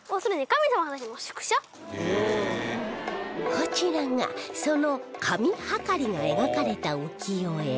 こちらがその神議りが描かれた浮世絵